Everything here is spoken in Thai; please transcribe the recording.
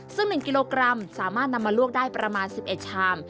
ซึ่ง๑กิโลกรัมสามารถนำมาลวกได้ประมาณ๑๑ชาม